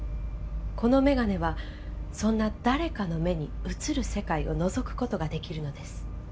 この眼鏡はそんな誰かの目に映る世界をのぞくことができるのです。